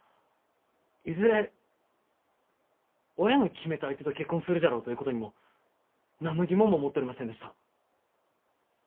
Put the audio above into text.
いずれ親の決めた相手と結婚するじゃろうということにも何の疑問も持っとりませんでした。